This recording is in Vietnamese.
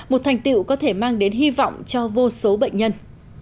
một thành tiệu có thể mang đến hy vọng cho vô số bệnh nhân